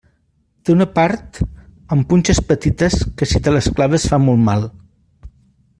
Té una part amb punxes petites que si te les claves fa molt mal.